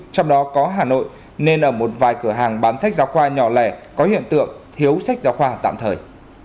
trong đó có hà nội nên ở một vài cửa hàng bán sách giáo khoa nhỏ lẻ có hiện tượng thiếu sách giáo khoa tạm thời